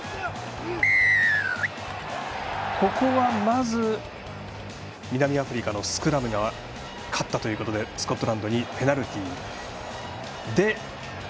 ここはまず南アフリカのスクラムが勝ったということでスコットランドにペナルティー。